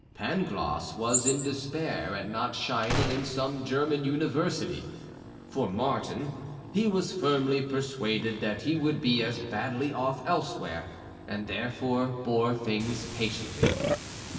Pangloss was in despair at not shining in some German university. For Martin, he was firmly persuaded that he would be as badly off elsewhere, and therefore bore things patiently.